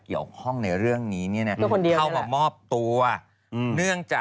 เจ๋ยต้องไปอยู่ตรงก็ต้องไป